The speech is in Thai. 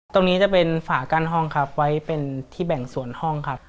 ตรงนี้จะเป็นฝากั้นห้องครับไว้เป็นที่แบ่งส่วนห้องครับ